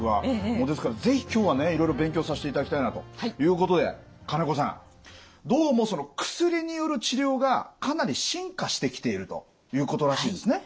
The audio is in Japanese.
もうですから是非今日はねいろいろ勉強させていただきたいなということで金子さんどうもその薬による治療がかなり進化してきているということらしいですね。